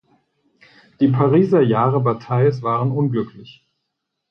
Die Pariser Jahre Batailles waren unglücklich.